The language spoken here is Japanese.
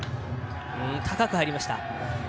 高く入りました。